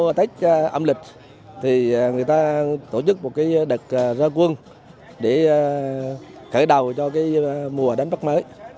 trong lúc tết âm lịch người ta tổ chức một đợt gia quân để khởi đầu cho mùa đánh bắt mới